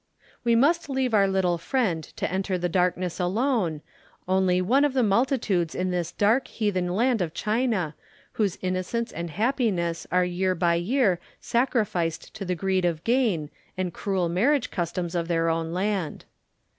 We must leave our little friend to enter the darkness alone, only one of multitudes in this dark heathen land of China whose innocence and happiness are year by year sacrificed to the greed of gain and cruel marriage customs of their own land.